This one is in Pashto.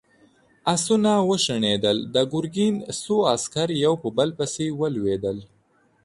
آسونه وشڼېدل، د ګرګين څو عسکر يو په بل پسې ولوېدل.